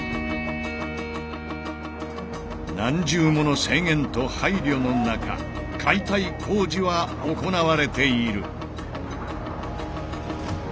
何重もの制限と配慮の中解体工事は行われている。